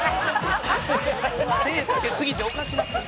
「精つけすぎておかしなってる」